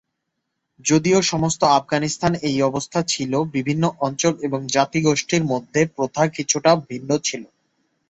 যদিও সমস্ত আফগানিস্তানে এই অবস্থা ছিল, বিভিন্ন অঞ্চল এবং জাতিগত গোষ্ঠীর মধ্যে প্রথা কিছুটা ভিন্ন ছিল।